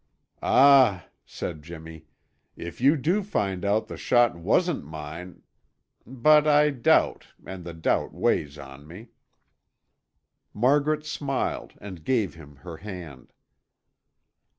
"Ah," said Jimmy, "if you do find out the shot wasn't mine But I doubt and the doubt weighs on me." Margaret smiled and gave him her hand.